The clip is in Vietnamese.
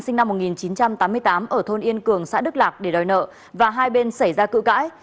sinh năm một nghìn chín trăm tám mươi tám ở thôn yên cường xã đức lạc để đòi nợ và hai bên xảy ra cự cãi